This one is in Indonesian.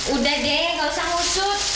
udah deh gak usah usut